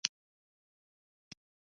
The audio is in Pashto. ځوانانو ته پکار ده چې، سړکونه ښه کړي.